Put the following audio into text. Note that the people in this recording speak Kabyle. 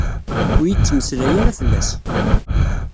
Ur iyi-d-ttmeslay ara fell-as.